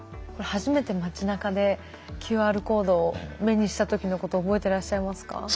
初めて街なかでＱＲコードを目にした時のこと覚えてらっしゃいますか？